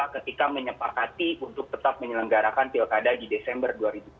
ketika menyepakati untuk tetap menyelenggarakan pilkada di desember dua ribu tujuh belas